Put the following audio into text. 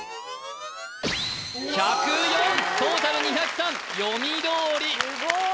１０４トータル２０３読みどおり・すごい！